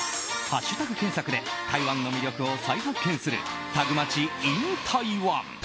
ハッシュタグ検索で台湾の魅力を再発見するタグマチｉｎ台湾。